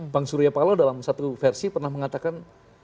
bang surya paloh dalam satu versi pernah mengatakan